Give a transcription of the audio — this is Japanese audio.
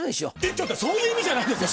ちょっとそういう意味じゃないですよ！